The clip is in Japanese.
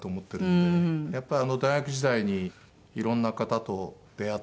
やっぱりあの大学時代にいろんな方と出会って。